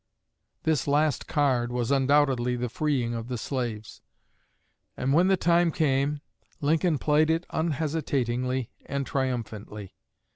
_" This "last card" was undoubtedly the freeing of the slaves; and when the time came, Lincoln played it unhesitatingly and triumphantly.